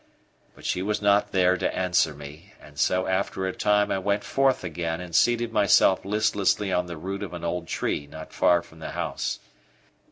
But she was not there to answer me, and so after a time I went forth again and seated myself listlessly on the root of an old tree not far from the house.